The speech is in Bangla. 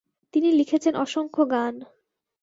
তিনি লিখেছেন অসংখ গান।